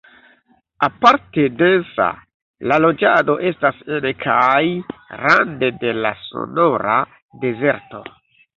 Aparte densa la loĝado estas en kaj rande de la Sonora-dezerto.